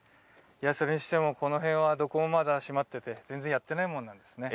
それにしてもこの辺はどこもまだ閉まってて全然やってないもんなんですね。